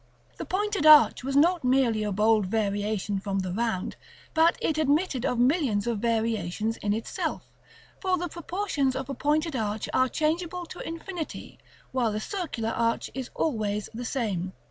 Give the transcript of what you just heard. The pointed arch was not merely a bold variation from the round, but it admitted of millions of variations in itself; for the proportions of a pointed arch are changeable to infinity, while a circular arch is always the same.